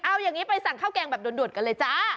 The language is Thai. เอาอย่างนี้ไปสั่งข้าวแกงแบบด่วนกันเลยจ้า